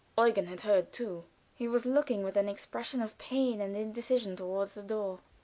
Eugen had heard too; he was looking, with an expression of pain and indecision, toward the door.